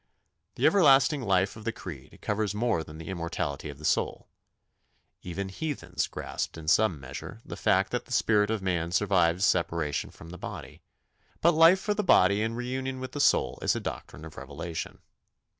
The Everlasting Life of the Creed covers more than the immortality of the soul. Even heathens grasped in some measure the fact that the spirit of man survives separation from the body; but life for the body in reunion with the soul is a doctrine of revelation.